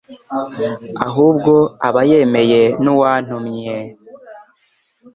ahubwo aba yemeye n'Uwantumye .»